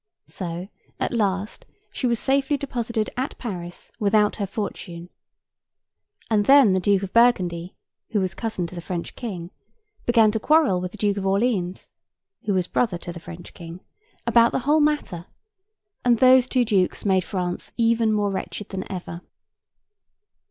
So, at last she was safely deposited at Paris without her fortune, and then the Duke of Burgundy (who was cousin to the French King) began to quarrel with the Duke of Orleans (who was brother to the French King) about the whole matter; and those two dukes made France even more wretched than ever.